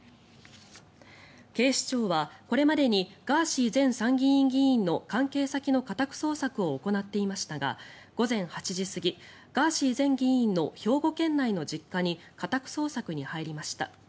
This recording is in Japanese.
警視庁はこれまでにガーシー前参議院議員の関係先の家宅捜索を行っていましたが午前８時過ぎ、ガーシー前議員の兵庫県内の実家に家宅捜索に入りました。